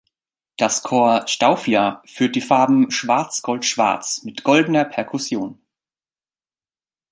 Das Corps Stauffia führt die Farben "Schwarz-Gold-Schwarz" mit goldener Perkussion.